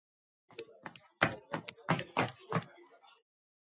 ფროიდი მკაფიოდ მიჯნავს სიამოვნების პრინციპის და აკვიატებული განმეორების მექანიზმებს.